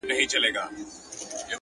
• ځمه ويدېږم ستا له ياده سره شپې نه كوم؛